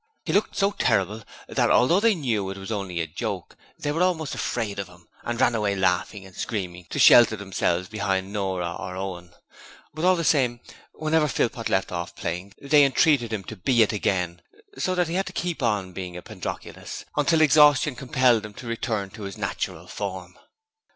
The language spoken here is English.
He looked so terrible that although they knew it was only a joke they were almost afraid of him, and ran away laughing and screaming to shelter themselves behind Nora or Owen; but all the same, whenever Philpot left off playing, they entreated him to 'be it again', and so he had to keep on being a Pandroculus, until exhaustion compelled him to return to his natural form.